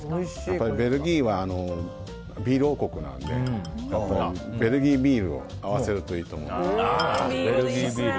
やっぱりベルギーはビール王国なのでやっぱりベルギービールを合わせるといいと思います。